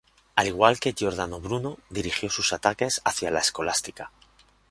Al igual que Giordano Bruno, dirigió sus ataques hacia la Escolástica.